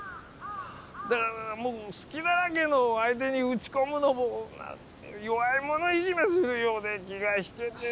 だからもう隙だらけの相手に打ち込むのも弱い者いじめするようで気が引けて。